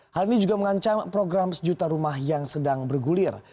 hal ini juga mengancam program sejuta rumah yang sedang bergulir